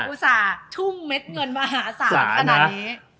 อุตส่าห์ชุ่มเม็ดเงินมหาศาลขนาดนี้